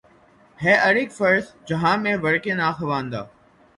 ہے ہر اک فرد جہاں میں ورقِ ناخواندہ